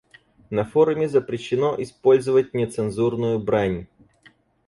На форуме запрещено использовать нецензурную брань.